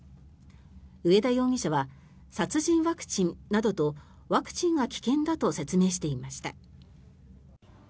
上田容疑者は殺人ワクチンなどとワクチンが危険だと説明していました。